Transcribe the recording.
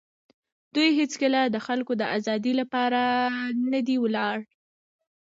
دوی هېڅکله د خلکو د آزادۍ لپاره نه دي ولاړ.